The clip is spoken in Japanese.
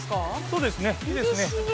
◆そうですね、いいですね。